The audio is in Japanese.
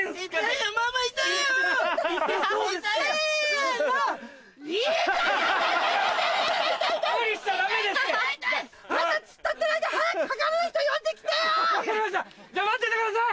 じゃあ待っててください！